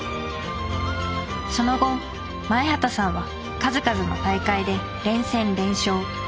その後前畑さんは数々の大会で連戦連勝。